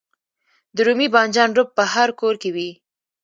د رومي بانجان رب په هر کور کې وي.